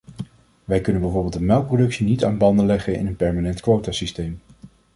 Wij kunnen bijvoorbeeld de melkproductie niet aan banden leggen in een permanent quotasysteem.